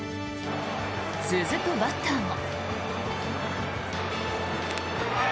続くバッターも。